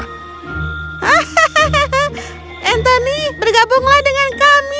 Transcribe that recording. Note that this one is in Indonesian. hahaha anthony bergabunglah dengan kami